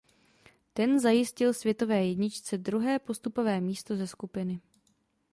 Ten zajistil světové jedničce druhé postupové místo ze skupiny.